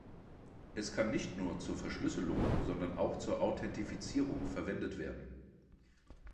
Es kann nicht nur zur Verschlüsselung sondern auch zur Authentifizierung verwendet werden.